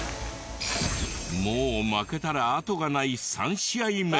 もう負けたら後がない３試合目。